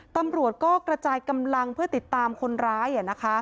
ตำรวจก็กระจายกำลังเพื่อติดตามคนร้าย